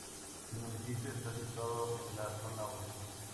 El municipio está situado en la zona Oeste.